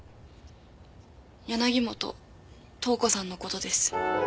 柳本塔子さんの事です。